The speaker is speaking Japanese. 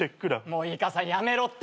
もういい母さんやめろって。